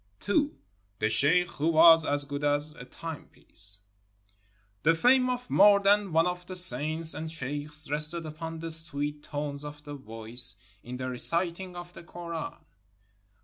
II. THE SHEIKH WHO WAS AS GOOD AS A TIMEPIECE The fame of more than one of the saints and sheikhs rested upon the sweet tones of the voice in the reciting of the Koran.